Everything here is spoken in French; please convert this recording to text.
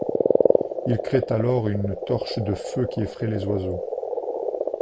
Il crée alors une torche de feu qui effraie les oiseaux.